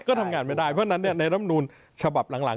ก็ทำงานไม่ได้เพราะฉะนั้นในรำนูลฉบับหลัง